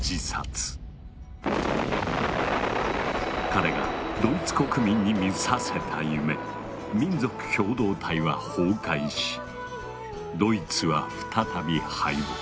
彼がドイツ国民に見させた夢民族共同体は崩壊しドイツは再び敗北。